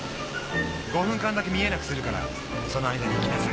５分間だけ見えなくするからその間に行きなさい。